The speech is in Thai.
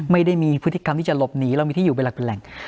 ไม่ได้มีพฤติกรรมที่จะหลบหนีเรามีที่อยู่เป็นหลักเป็นแหล่ง